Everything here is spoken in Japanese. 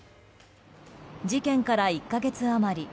事件から１か月余り。